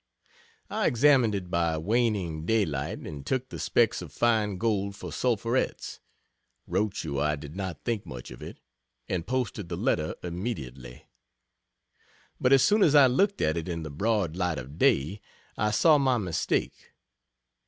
I examined it by the waning daylight, and took the specks of fine gold for sulphurets wrote you I did not think much of it and posted the letter immediately. But as soon as I looked at it in the broad light of day, I saw my mistake.